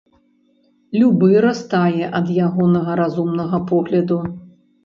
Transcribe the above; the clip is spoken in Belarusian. Любы растае ад ягонага разумнага погляду!